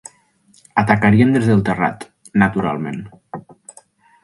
Atacaríem des del terrat, naturalment